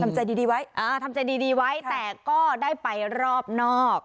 ใจดีไว้อ่าทำใจดีไว้แต่ก็ได้ไปรอบนอก